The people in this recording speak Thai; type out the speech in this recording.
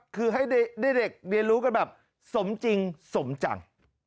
คือให้เด็กเรียนรู้กันแบบสมจริงสมจัง